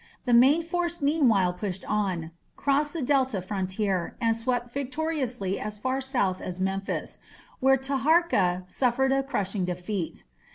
The main force meanwhile pushed on, crossed the Delta frontier, and swept victoriously as far south as Memphis, where Taharka suffered a crushing defeat.